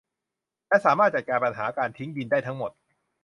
และสามารถจัดการปัญหาการทิ้งดินได้ทั้งหมด